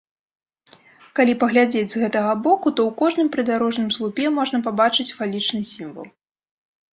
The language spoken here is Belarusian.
Калі паглядзець з гэтага боку, то ў кожным прыдарожным слупе можна пабачыць фалічны сімвал.